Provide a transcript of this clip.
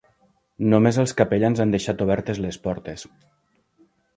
Només els capellans han deixat obertes les portes.